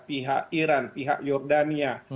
pihak iran pihak jordania